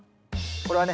これはね